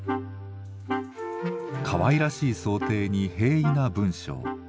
かわいらしい装丁に平易な文章。